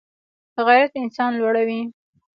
غیرت انسان لوړوي